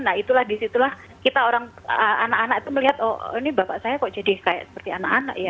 nah itulah disitulah kita orang anak anak itu melihat oh ini bapak saya kok jadi kayak seperti anak anak ya